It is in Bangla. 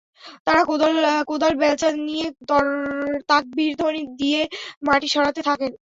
তারা কোদাল-বেলচা নিয়ে তাকবীরধ্বনি দিয়ে মাটি সরাতে থাকেন।